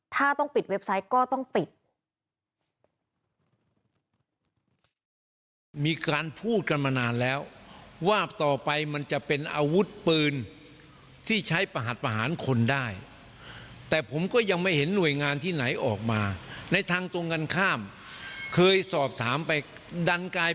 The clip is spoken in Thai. ถ้าต้องปิดเว็บไซต์ก็ต้องปิด